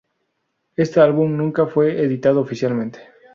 Este álbum nunca fue editado oficialmente.